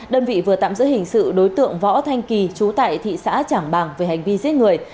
đơn vị vừa tạm giữ hình sự đối tượng võ thanh kỳ chú tại thị xã trảng bàng về hành vi giết người